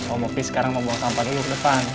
om mopi sekarang mau bawa sampah dulu ke depan